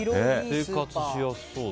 生活しやすそうだな。